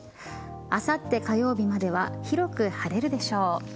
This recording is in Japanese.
あさって火曜日までは広く晴れるでしょう。